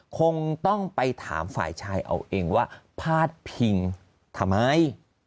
คงต้องไปถามฝ่ายชายเอาเองว่าพาดพิงทำไม